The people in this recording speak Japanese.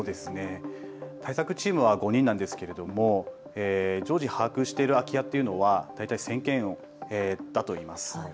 対策チームは５人なんですけれど常時把握している空き家というのは大体１０００件だといいます。